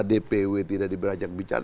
dpw tidak diajak berbicara